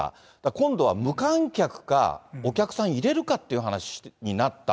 今度は無観客か、お客さん入れるかっていう話になった。